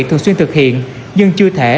thường xuyên thực hiện nhưng chưa thể